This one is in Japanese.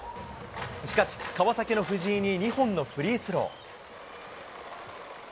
しかし、川崎のふじいに２本のフリースロー。